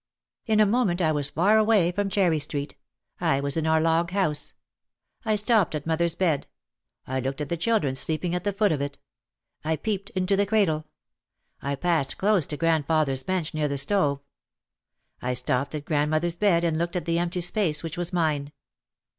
In a moment I was far away from Cherry Street. I was in our log house. I stopped at mother's bed. I looked at the children sleeping at the foot of it. I peeped into the cradle. I passed close to grandfather's bench near the stove. I stopped at grandmother's bed and looked at the empty place which was mine.